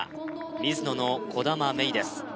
ミズノの兒玉芽生です